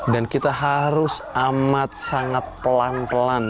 dan kita harus amat sangat pelan pelan